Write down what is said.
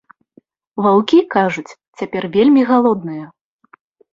Ваўкі, кажуць, цяпер вельмі галодныя.